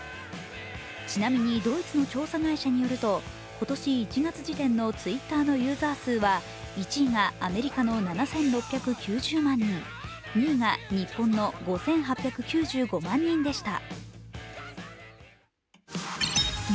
ちなみにドイツの調査会社によると今年１月時点のＴｗｉｔｔｅｒのユーザー数は１位がアメリカの７６９０万人２位が日本の５８９５万人でした。